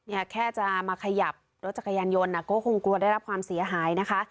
แค่จะมาขยับรถจักรยานยนต์ก็คงกลัวได้รับความเสียหายนะคะ